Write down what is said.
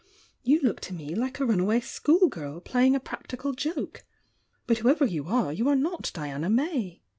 You look to me hke a run away schoolgirl playing a practical joke. But whoever you are, you are not Diana May."